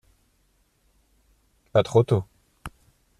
Pas trop tôt.